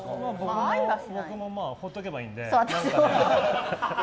僕も放っておけばいいので。